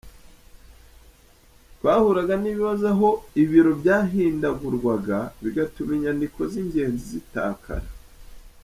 Twahuraga n’ibibazo aho ibiro byahindagurwaga bigatuma inyandiko z’ingenzi zitakara.